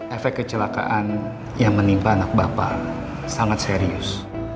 efek kecelakaan yang menimpa anak bapak sangat serius